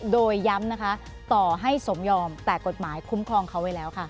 โดยย้ำนะคะต่อให้สมยอมแต่กฎหมายคุ้มครองเขาไว้แล้วค่ะ